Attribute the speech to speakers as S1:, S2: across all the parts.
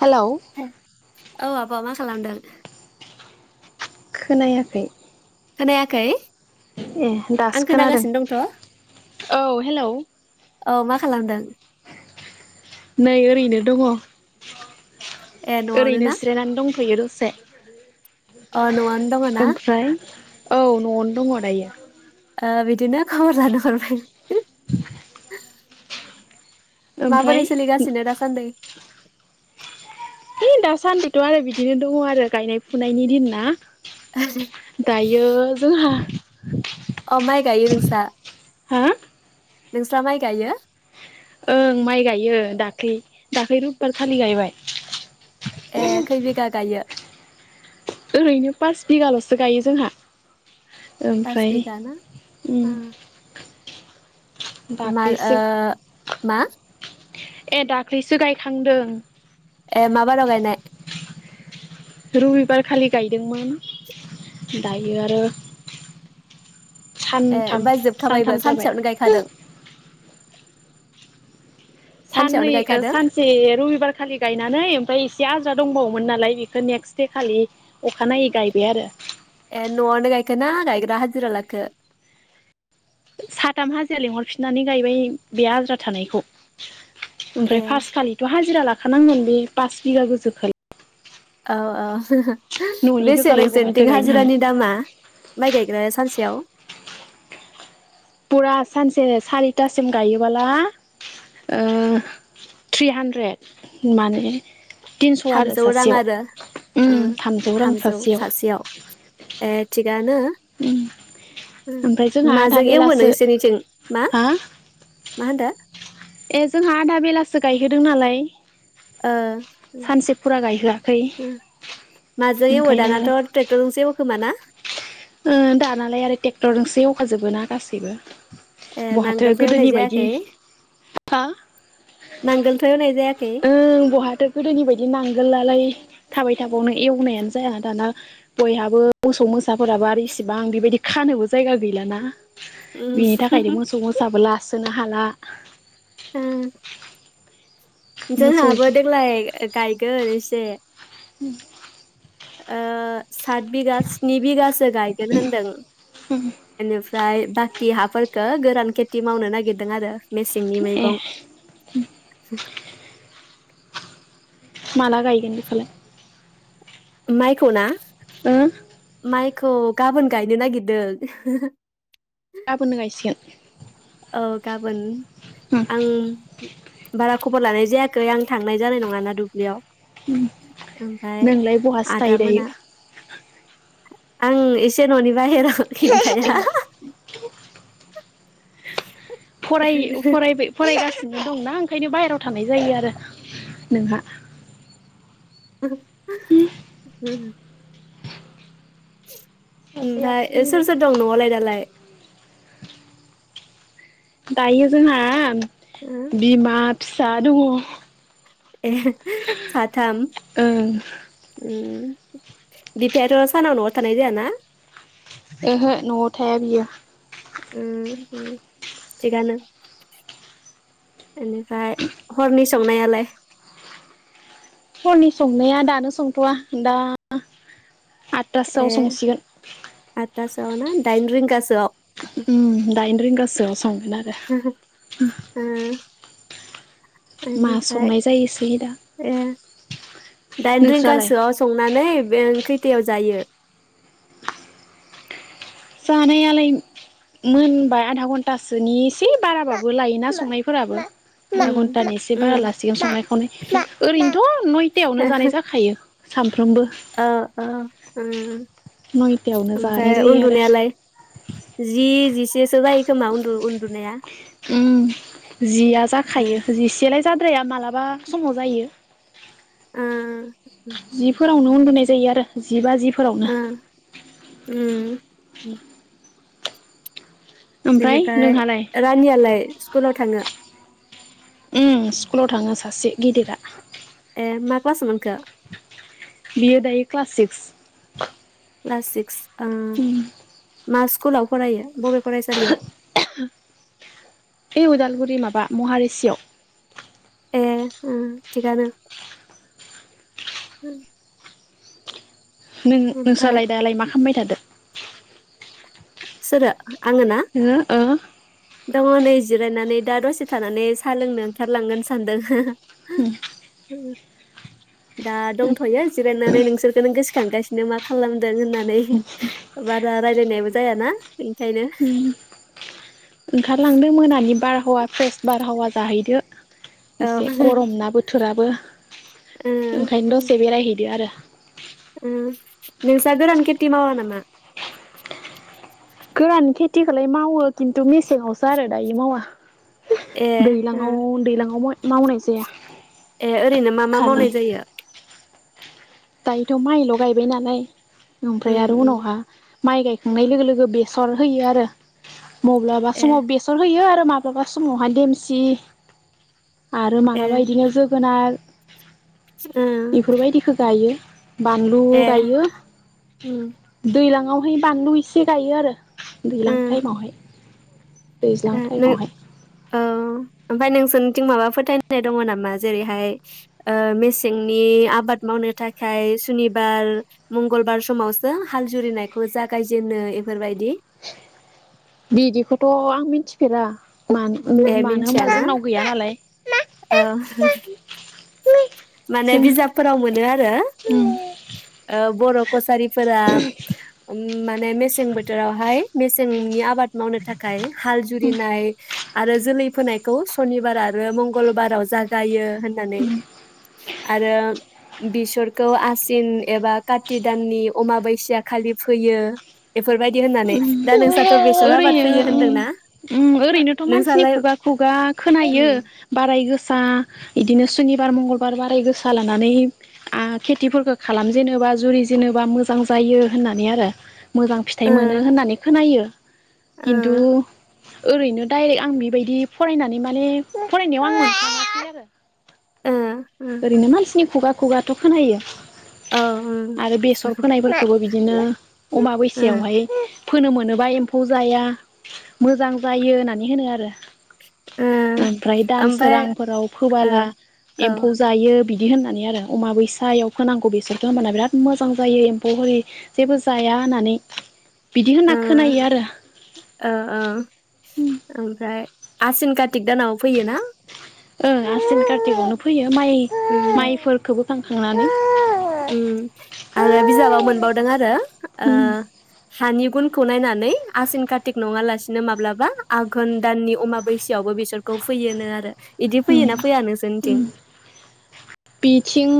S1: Hello
S2: औ आब' मा खालामदों
S1: खोनायाखै
S2: खोनायाखै?
S1: ए
S2: आं
S1: दासो खोनादों
S2: खोनागासिनो दंथ'
S1: औ हेलौ
S2: औ मा खालामदों
S1: नै ओरैनो दङ
S2: ए न'आवनो
S1: ओरैनो
S2: ना
S1: जिरायनानै दंथ'यो र से
S2: अ न'यावनो दङ ना?
S1: औ न'यावनो दङ दायो।
S2: ओ बिदिनो खबर लानो हरबाय।
S1: ओमफ्राय
S2: माबोरै सोलिगासिनो दासान्दि?
S1: है दासान्दिथ' आरो बिदिनो दङ आरो गायनाय फुनायनि दिन ना दायो जोंहा [inaudible]
S2: अ माइ गायो नोंसा?
S1: हा
S2: नोंस्रा माइ गायो?
S1: ओं माइ गायो दाख्लै दाख्लै रबिबार खालि गायबाय।
S2: ए खै बिगा गायो
S1: ओरैनो पास बिगाल'सो गायो जोंहा।
S2: फास
S1: ओमफ्राय
S2: बिगा ना ओ
S1: उम
S2: मा ओ
S1: दाख्लैसो
S2: मा?
S1: ए दाख्लैसो गायखांदों।
S2: ए माबा लगायनाय।
S1: रबिबार खालि गायदोंमोन दायो आरो
S2: ए
S1: सानथाम
S2: ओमफ्राय जोबखाबायबो
S1: सानथाम जाबाय
S2: सानसेयावनो गायखादों। सानसेयावनो
S1: साननैज्ञओ
S2: गायखादों
S1: सानसे रबिबार खालि गायनानै ओमफ्राय एसे आद्रा दंबावोमोन नालाय बेखौ नेक्स्ट दे खालि अखानायनायै गायबाय आरो।
S2: ए न'यावनो गायखो ना गायग्रा हाजिरा लाखो?
S1: साथाम हाजिरा लिंहरफिननानै गायबाय बे आद्रा थानायखौ। ओमफ्राय
S2: ए
S1: फार्स्ट खालिथ' हाजिरा ला खानांगोन बे पास बिगा गोजोखौ
S2: औ औ।
S1: न'नि
S2: बेसे
S1: गोजालाय बहाथो
S2: नोंसोरथिं
S1: गायनो हानो
S2: हाजिरानि दामा माइ गायग्राया सानसेयाव।
S1: फुरा सानसे सारिथासिम गायोबोला ओ थ्रि हान्द्रेद माने तिनस' आरो
S2: थामजौ रां
S1: सासेयाव
S2: आरो ओ थामजौ सासेयाव ए थिगानो
S1: उम ओमफ्राय जोंहा आधा
S2: माजों एवो
S1: बेलासो
S2: नोंसोरनिथिं मा
S1: हा
S2: मा होनदो?
S1: ए जोंहा आधा बेलासो गायहोदों नालाय।
S2: ओ
S1: सानसे फुरा गायहोआखै
S2: माजों एवो
S1: ओंखायनो आरो
S2: दानाथ' ट्रेक्टरजोंसो एव खोमाना।
S1: ओ दानालाय आरो ट्रेक्टरजोंसो एवखाजोबो ना गासैबो।
S2: ए
S1: बहाथो
S2: नांगोलजों एवनाय
S1: गोदोनि बायदि
S2: जायाखै
S1: हा
S2: नांगोलथ एवनाय जाया खै।
S1: ओं बहाथो' गोदोनि बायदि नांगोलालाय थाबाय थाबावनो एवनायानो जाया दाना बयहाबो मोसौ मोसाफोराबो आरो इसिबां बेबायदि खानोबो जायगा गैलाना।
S2: उम
S1: बिनि थाखायनो मोसौ मोसाबो लासो हाला।
S2: ओ।
S1: मोसौ
S2: जोंहाबो देग्लाय गायगोन ऐ
S1: उम।
S2: ओ। सात बिगा स्नि बिगासो गायगोन होनदों बेनिफ्राय बाखि हाफोर गो-गोरान खेथि मावनो नागिरदों आरो मेसेंनि
S1: ए
S2: मैगं
S1: माला गायगोन बेखौलाय
S2: माइखौ ना?
S1: ओं
S2: माइखौ गाबोन गायनो नागिरदों।
S1: गाबोननो गायसिगोन
S2: औ गाबोन आं बारा खबर लानाय जायाखै आं थांनाय जानाय नङाना दुब्लियाव ओमफ्राय
S1: नोंलाय बहा सो थायो
S2: आदा
S1: दायो।
S2: मोना आं एसे न'नि बाहेराव खिन्थाया ए
S1: फराय ओ फराय फरायबाय फरायगासिनो नो दंना ओंखायनो बाहेरायाव थानाय जायो आरो नोंहा
S2: ओम
S1: हम
S2: हम बि ओमफ्राय सोर सोर दं न'आवलाय दालाय?
S1: दायो जोंहा बिमा फिसा दङ।
S2: ए साथाम ओ बिफायाथ' सानाव न'आव थानाय जायाना?
S1: ओहो न'आव थाया बियो
S2: ओ थिगानो बेनिफ्राय हरनि संनायालाय
S1: हरनि संनाया दानो संथ'वा दा आतथासोआव संसिगोन।
S2: आव ना दाइन रिंगायाव सोआव
S1: उम दाइन रिंगासोआव संगोन आरो।
S2: ओ
S1: मा
S2: बेनिफ्राय
S1: संनाय जायोसै दा
S2: ए दाइन
S1: नोंस्रालाय
S2: रिंगासोआव संनानै बे खैतायाव जायो?
S1: जानायालाय मोनबाय आधा घन्टासोनि एसे बाराबाबो लायोना संनायफोराबो आधा
S2: उम
S1: घन्टानि एसे बारा
S2: उम
S1: लासिगोन संनाय खावनाय ओरैनोथ' नयथायावनो जानाय जाखायो। साम
S2: औ ओ उम
S1: नयथायावनो जानाय
S2: ओमफ्राय
S1: जायो आरो
S2: उन्दुनायालाय? जि जिसेसो जायो खोमा उन्दु उन्दुनाया।
S1: उम जिया
S2: ओ
S1: जाखायो जिसेलाय जाद्राया मालाबा समाव जायो।
S2: उम
S1: फुंआवनो उन्दुनाय जायो आरो जि बाजिफोरावनो
S2: उम उम [inaudible]
S1: ओमफ्राय
S2: बेनिफ्राय
S1: नोंहालाय
S2: रानियालाय स्कुलाव थांङो?
S1: ओम स्कुलाव थांङो सासे गिदिरा।
S2: ए मा क्लास मोनखो?
S1: बियो दायो क्लास सिक्स।
S2: Class six. ओम मा स्कुलाव फरायो बबे फरायसालियाव
S1: उदालगुरि माब बा महारिशियाव
S2: ए उम थिगानो
S1: नों
S2: ओमफ्राय
S1: नोंसालाय दालाय मा खामबाय [unintelligible]
S2: सोरो?
S1: हो अ
S2: दंङ नै जिरायनानै दा दसे थानानै सा लोंनो ओंखारलांगोन सानदों।
S1: होम
S2: [inaudible] दा दंथयो जिरायनानै नोंसोरखौनो गोसो खांगासिनो मा खालाम दों होननानै बा बारा रायलायनायबो जायाना। ओंखायनो।
S1: ओंखारलांदोंमोन बिनि बारहावा फ्रेस बारहावा जाहैदो
S2: औ
S1: इसे गरम ना बोथोराबो ओंखायनो दसे बेरायहैदो आरो
S2: नोंसा गोरान किति मावा नामा?
S1: गोरान खेथिखौलाय मावो खिन्थु मेसेङावसो आरो दायो मावा
S2: ए
S1: दैलाङाव दैलाङाव म मावनाय जाया
S2: ए ओरैनो मा मा
S1: खालि
S2: मावनाय जायो
S1: दायोथ माइल गायबाय नालाय
S2: ए
S1: ओमफ्राय आरो उनावहा माइ गायखांनाय लोगो लोगो बेसर होयो आरो मबलाबा
S2: ए
S1: समाव बेसर होयो आरो माब्लाबा समावहाय देमसि आरो
S2: ए
S1: माब्लाबा इदिनो जोगोनार
S2: ओ
S1: बेफोरबायदिखौ गायो बानलु
S2: ए
S1: गायो
S2: उम
S1: दैलां नवहाय बानलु एसे गायो आरो
S2: ओ
S1: दैलां टाइमावहाय
S2: ओ
S1: दैज्लां
S2: नों
S1: टाइमावहाय
S2: औ ओमफ्राय नोंसोरनिथिं माबा फोथायनाय दङ नामा जेरैहाय ओ मेसेंनि आबाद मावनो थाखाय सुनिबार मंगलबार समाव सो हाल जुरिनायखौ जागायजेनो इफोरबायदि?
S1: बिदिखौथ' आं मिथिफेरा मानो
S2: ए
S1: मानो होनबा
S2: मिनथिया ना
S1: जोंनाव गैया नालाय
S2: ओ होहो माने
S1: जों
S2: बिजाब फोराव मोनो आरो
S1: उम
S2: ओ बर' कछारिफोरा ओम माने मेसें बोथोराव मेसेंनि आबाद मावनो थाखाय हाल जुरिनाय आरो जोलै फोनायखौ सनिबार आरो मंगलबाराव जागायो होननानै आरो बेसरखौ आसिन एबा कारति दाननि अमाबैसिया खालि फोयो इफोरबायदि होननानै दा नोंसाथ' बेसर आबाद फोयो होनदोंना
S1: ओम ओरैनोथ' मानसिनि
S2: नोंसालाय
S1: खुगा खुगा खोनायो
S2: उम
S1: बाराय गोसा इदिनो सम सुनिबार मंगलबार बाराय गोसा लानानै आ खेथि खालाम जेनोबा जुरि जेनोबा मोजां जायो होननानै मोजां
S2: ओ
S1: फिथाइ मोनो होननानै खोनायो
S2: ओ
S1: किनथु ओरैनो डायरेक्ट आं बिबायदि फरायनानै माने फायनायाव आं [unintelligible]
S2: ओ ओ
S1: ओरैनो मानसिनि खुगा खुगाथ' खोनायो
S2: औ उम
S1: आरो बेसर फोनायफोरखौबो बिदि बिदिनो अमा
S2: ओ
S1: बैसायावहाय फोनो मोनोबा एम्फौ जाया, मोजां जायो होननानै होनो आरो
S2: ओ
S1: ओमफ्राय दानसोरां
S2: ओमफ्राय
S1: फोराव
S2: ओ
S1: फोबाला
S2: औ
S1: एम्फौ बियो बिदि होननानै आरो अमाबैसायाव फोनांगौ बेसरखौ होमबाना बिरात मोजां जायो एम्फौ हेरि जेबो जाया होन्नानै
S2: ओ ओ ओ ओमफ्राय आसिन खारथिक दानाव फैयो ना?
S1: ओं आसिन कातिकआवनो फोयो। माइ माइफोरखौबो थांखांनानै
S2: उम्म आरो बिजाबाव
S1: उम
S2: मोनबावदों आरो ओ
S1: उम
S2: हानि गुनखौ नायनानै आसिन खारथिक नङा लासिनो माब्लाबा आघोन दाननि अमाबैसोयावबो बेसरखौ फैयोनो आरो। बिदि फैयोना फैया नोंसोरनिथिं?
S1: उम बिथिं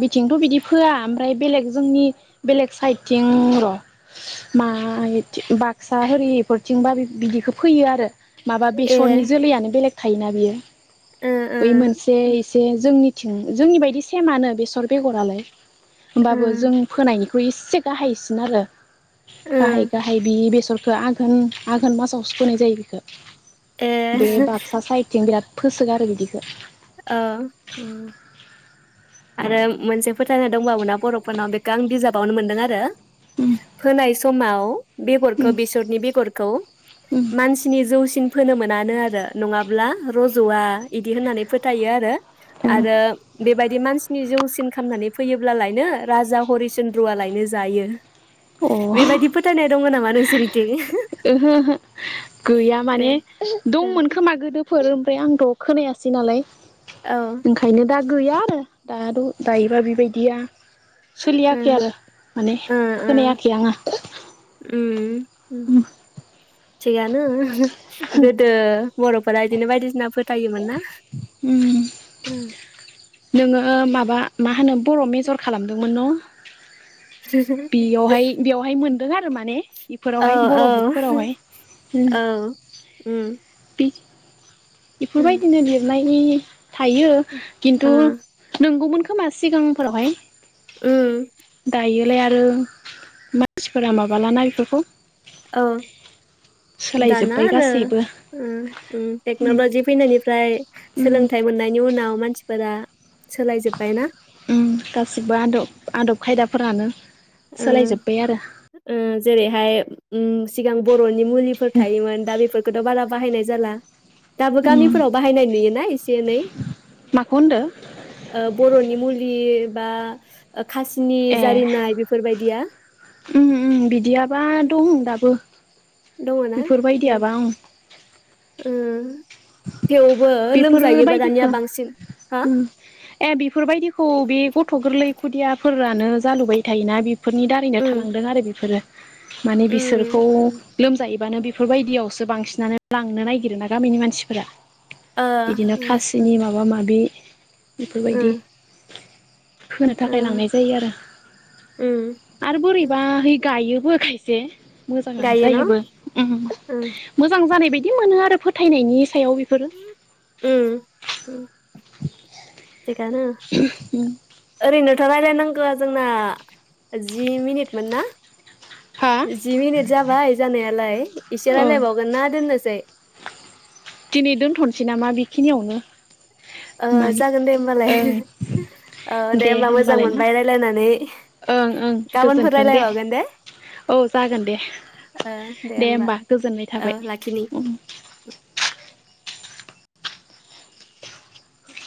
S1: बिथिंथ बिदि फोया ओमफ्राय बेलेग जोंनि बेलेग साइडथिं र मा बाक्सा होरि इफोरथिं बिदिखौ फोयो आरो। माबा
S2: ए
S1: बेसरनि जोलैयानो बेलेग थायोना बियो।
S2: ओ ओ
S1: बै मोनसे एसे जोंनि थिं जोंनि बायदि सेमानो बेसर बेगरालाय।
S2: ओ
S1: होमबाबो जों फोनाय बो एसे गाहायसिन आरो।
S2: ओ
S1: गाहाय गाहाय बि बे बेखो आघोन आघोन मासाव फोनाय जायो बेखो।
S2: ए
S1: बे बाक्सा साइदथिं बिराद। फोसोगारो आरो बिदिखो।
S2: ओ उम्म आरो मोनसे फोथायना दंबावो ना बर'फोरनाव बेखो आं बिजाबावनो मोनदों आरो फोनाय समाव बेगरखो बेसरनि बेगरखौ
S1: उम
S2: मानसिनि जौसिन फोनो मोनानो आरो नङाब्ला रजआ इदि होननानै फोथायो आरो।
S1: उम
S2: आरो बेबायदि मानसिनि जौसिन खालामामनानै फैयोब्लालायनो राजा हरिचन्द्रआलायनो जायो।
S1: अ
S2: बेबायदि फोथायनाय दङ नामा नोंसोरनिथिं?
S1: ओहो ओहो गैया
S2: दे
S1: माने दंमोन खोमा गोदो फोर ओमफ्राय आंथ खोनायासै नालाय।
S2: औ ओ
S1: ओंखायनो दा गैया आरो दा द दायोबा बेबायदिया
S2: ओ ओ
S1: सोलियाखै आरो माने खोनायाखै आंङो।
S2: सैयानो [unintelligible] गोदो बरफोरा इदिनो बायदिसिना फो थायोमोनना
S1: उम
S2: ओ
S1: ओ माबा मा होनो बर मेजर खालामदोंमोन न बेयावहाय बेयावहाय मोन दों आरो माने
S2: औ
S1: बेफोरावहाय
S2: औ
S1: बर' बुकफोरावहाय उम
S2: औ उम
S1: बे
S2: उम
S1: बेफोरबायदिनो लिरनाय नि थायो
S2: ओ
S1: खिन्थु नंगौमोन खो खोमा सिगांफोरावहाय
S2: उम
S1: दायोलाय आरो मानसिफोरा माबालाना बेफोरखौ
S2: औ दाना‌
S1: सोलायजोब्बाय
S2: आरो
S1: गासैबो
S2: ओ उम टेक नलजि फैनायनिफ्राय
S1: उम
S2: सोलोंथाइ मोननायनि उनाव मानसि सिफोरा
S1: उम गासिबो आदब आदब खायदा फोरानो सोलायजोब्बाय आरो
S2: जेरैहाय उम सिगां बर'नि मुलिफोर थायोमोन दा बेफोरखौथ' बारा बाहायनाय जाला दाबो
S1: उम
S2: गामिफोराव बाहायनाय नुयोना एसे एनै
S1: माखौ होनदो
S2: ओ बर'नि मुलि बा ओ खासिनि
S1: ए
S2: जारिनाय बेफ बेफोरबायदिया
S1: उम उम बिदियाबा दं दाबो
S2: दङना
S1: बेफोरबायदियाबा ओं
S2: ओं दानिया
S1: बेफोरबायदिखौ
S2: बांसिन हा
S1: ओं ए बेफोरबायदिखौ बे गथ' गोरलै खुदिया फोरानो जालुबाय थायोना बेफोरनि दारैनो
S2: उम
S1: थालांदों आरो बेफोरो माने बिसोरखौ
S2: उम
S1: लोमजायो बानो बेफोरबायदियावसो बांसिनानो लांनो नागिरोना गामिनि मानसि फोरा
S2: ओ
S1: बिदिनो
S2: ओ
S1: खासिनि माबा माबि बे
S2: ओ
S1: बेफोरबायदि होनो थाखाय लांनाय जायो आरो
S2: ओ
S1: आरो
S2: उम
S1: बोरैबाहाय गायो बो खायसे मोजाङानो
S2: गायो न'
S1: जायोबो ओम
S2: उम
S1: मोजां जानाय बायद दि मोनो आरो फोथायनायनि सायाव बेफोरो
S2: उम उम
S1: [inaudible]
S2: थिगानो आरैनो रायलायनांगौआ जोंना जि मिनिटमोन ना?
S1: हा
S2: जि मिनिट जाबाय जानायालाय इसे
S1: औ
S2: रायलायबावगोन ना दोननोसै?
S1: दिनै दोनथ'नोसै नामा बेखिनियावनो?
S2: ओ
S1: माने
S2: जागोन दे होमबालाय।
S1: ओं
S2: ओ दे होमबा मोजां
S1: होमबालाय ना
S2: मोनबाय रायलायनानै
S1: ओं ओं
S2: गाबोनफोर
S1: गोजोन्थों
S2: रायजलायबावगोन दे।
S1: औ जागोन दे
S2: दे होमबा औ लाखिनि।
S1: उम